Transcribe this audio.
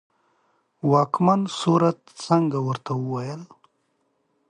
واکمن سورت سینګه ورته وویل.